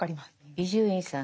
伊集院さん